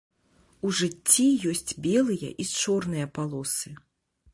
У жыцці ёсць белыя і чорныя палосы.